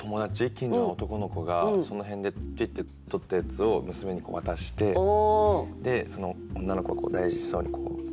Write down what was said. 近所の男の子がその辺でぴってとったやつを娘に渡してその女の子が大事そうにこう。